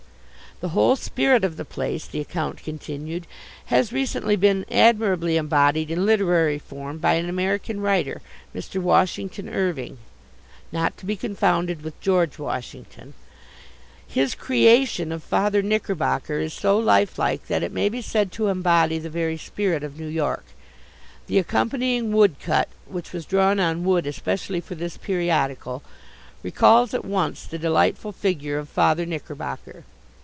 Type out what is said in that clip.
"The whole spirit of the place" the account continued "has recently been admirably embodied in literary form by an American writer, Mr. Washington Irving (not to be confounded with George Washington). His creation of Father Knickerbocker is so lifelike that it may be said to embody the very spirit of New York. The accompanying woodcut which was drawn on wood especially for this periodical recalls at once the delightful figure of Father Knickerbocker.